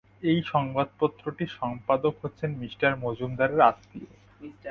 ঐ সংবাদপত্রটির সম্পাদক হচ্ছেন মি মজুমদারের আত্মীয়।